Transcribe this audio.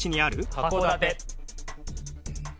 函館。